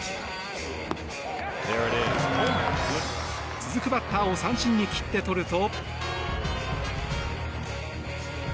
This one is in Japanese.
続くバッターを三振に切って取ると。